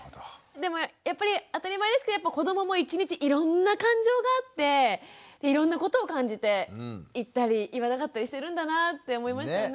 でもやっぱり当たり前ですけど子どもも一日いろんな感情があっていろんなことを感じて言ったり言わなかったりしてるんだなって思いましたね。